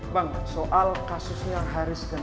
bang soal kasusnya haris dan